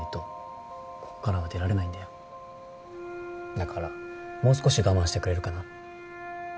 だからもう少し我慢してくれるかな？